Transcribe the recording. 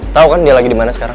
tau kan dia lagi dimana sekarang